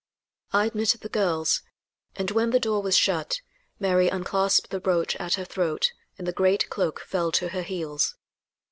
I admitted the girls, and when the door was shut Mary unclasped the brooch at her throat and the great cloak fell to her heels.